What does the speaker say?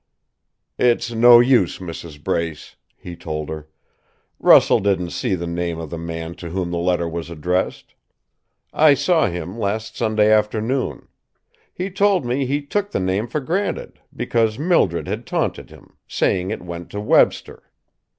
"It's no use, Mrs. Brace," he told her. "Russell didn't see the name of the man to whom the letter was addressed. I saw him last Sunday afternoon. He told me he took the name for granted, because Mildred had taunted him, saying it went to Webster.